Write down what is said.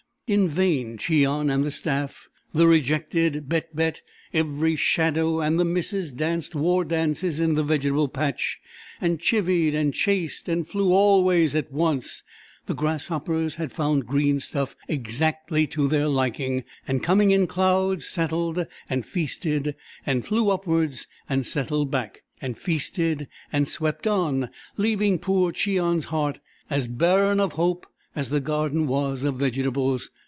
In vain Cheon and the staff, the rejected, Bett Bett every shadow and the missus, danced war dances in the vegetable patch, and chivied and chased, and flew all ways at once; the grasshoppers had found green stuff exactly to their liking, and coming in clouds, settled, and feasted, and flew upwards, and settled back, and feasted, and swept on, leaving poor Cheon's heart as barren of hope as the garden was of vegetables.